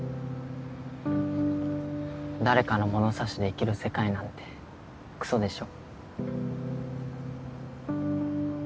誰かのものさしで生きる世界なんてクソでしょ？